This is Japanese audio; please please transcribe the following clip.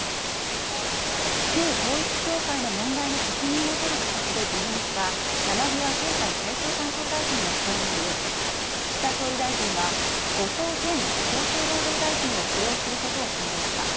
旧統一教会の問題の責任を取る形で辞任した、山際経済再生担当大臣の後任に、岸田総理大臣は後藤前厚生労働大臣を起用することを決めました。